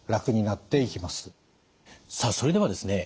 さあそれではですね